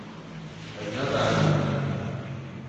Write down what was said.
Ez nebehecî me.